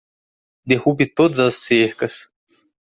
Derrube todas as cercas.